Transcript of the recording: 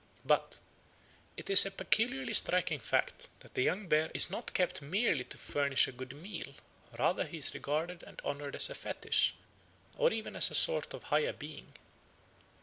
But "it is a peculiarly striking fact that the young bear is not kept merely to furnish a good meal; rather he is regarded and honoured as a fetish, or even as a sort of higher being."